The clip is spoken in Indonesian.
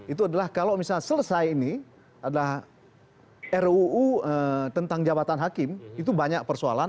itu adalah kalau misalnya selesai ini adalah ruu tentang jabatan hakim itu banyak persoalan